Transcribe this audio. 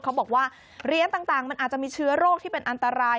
เขาบอกว่าเหรียญต่างมันอาจจะมีเชื้อโรคที่เป็นอันตราย